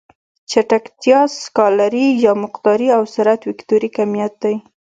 چټکتیا سکالري يا مقداري او سرعت وکتوري کميت دی.